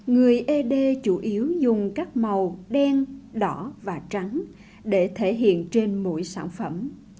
người ed chủ yếu dùng các màu đen đỏ và trắng để thể hiện trên mỗi sản phẩm